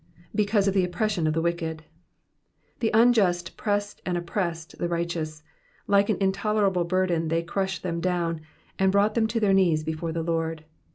''^Because of the ojypression of the wicked:'''* the unjust pressed and oppressed the righteous; like an intolerable burden they crushea them down, and brought them to their knees before the Lord.